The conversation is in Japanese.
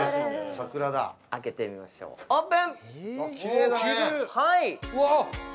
開けてみましょう、オープン！